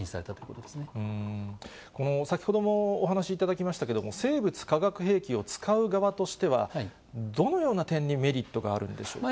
この先ほどもお話しいただきましたけれども、生物・化学兵器を使う側としては、どのような点にメリットがあるんでしょうか。